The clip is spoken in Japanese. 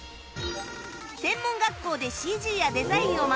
専門学校で ＣＧ やデザインを学んだあと